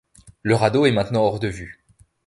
Le radeau est maintenant hors de vue !